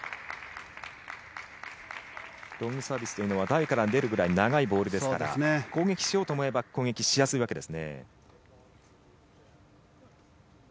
ロングサービスというのは台から出るくらい長いボールですから攻撃しようと思えば攻撃しやすいわけです。